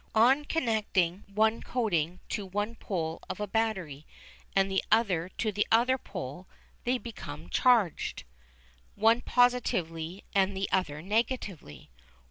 On connecting one coating to one pole of a battery, and the other to the other pole, they become charged, one positively and the other negatively.